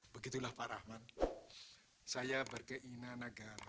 begitu lah pak rahman saya berkeinan agar